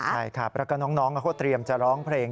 แล้วก็น้องก็เตรียมจะร้องเพลง